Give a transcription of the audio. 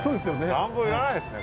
暖房いらないですね